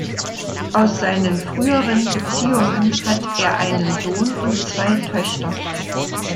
Aus seinen früheren Beziehungen hat er einen Sohn und zwei Töchter.